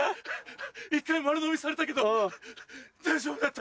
一回丸のみにされたけど大丈夫だった。